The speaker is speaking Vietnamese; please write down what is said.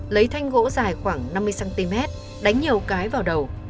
lấy thanh gỗ dài khoảng năm mươi cm đánh nhiều cái vào đầu